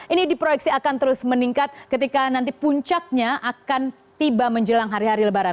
ini diproyeksi akan terus meningkat ketika nanti puncaknya akan tiba menjelang hari hari lebaran